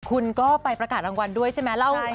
คุณก็ไปประกาศรางวัลด้วยใช่ไหม